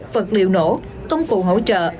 vật liệu nổ công cụ hỗ trợ